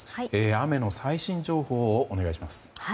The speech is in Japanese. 雨の最新情報をお願いします。